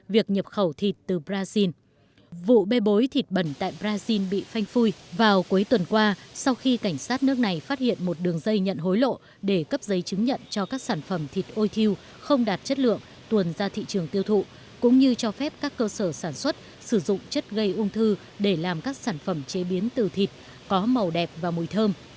vụ bê bối thịt bẩn tại brazil bị phanh phui vào cuối tuần qua sau khi cảnh sát nước này phát hiện một đường dây nhận hối lộ để cấp giấy chứng nhận cho các sản phẩm thịt ôi thiêu không đạt chất lượng tuần ra thị trường tiêu thụ cũng như cho phép các cơ sở sản xuất sử dụng chất gây ung thư để làm các sản phẩm chế biến từ thịt có màu đẹp và mùi thơm